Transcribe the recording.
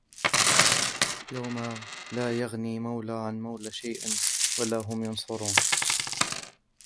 يوم لا يغني مولى عن مولى شيئا ولا هم ينصرون